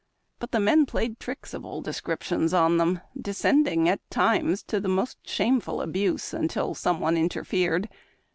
But the men played tricks of all descriptions on them, descending at times to most shameful abuse until some one interfered.